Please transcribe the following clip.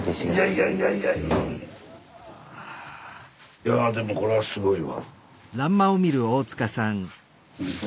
いやでもこれはすごいわ。